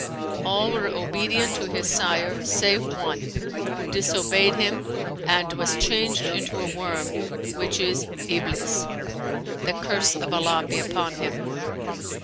All were obedient to their sire, save one who disobeyed him and was changed into a worm which is Iblis (the curse of Allah be upon him!).